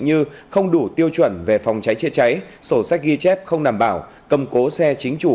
như không đủ tiêu chuẩn về phòng cháy chữa cháy sổ sách ghi chép không đảm bảo cầm cố xe chính chủ